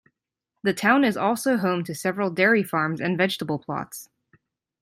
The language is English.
The town is also home to several dairy farms and vegetable plots.